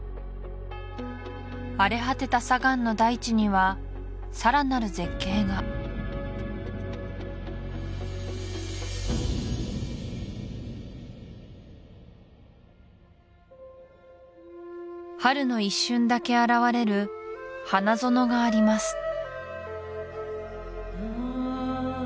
荒れ果てた砂岩の大地にはさらなる絶景が春の一瞬だけ現れる花園があります